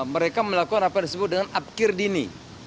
mereka melakukan apa yang disebut dengan apkir dini